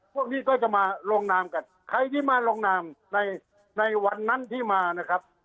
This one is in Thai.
พวกนี้ก็จะมาลงนามกันใครที่มาลงนามในในวันนั้นที่มานะครับ